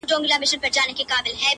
ستا د يادونو فلسفې ليكلي”